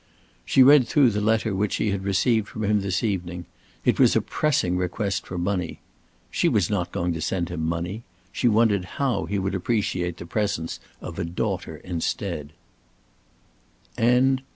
She read through the letter which she had received from him this evening. It was a pressing request for money. She was not going to send him money. She wondered how he would appreciate the present of a daughter instead.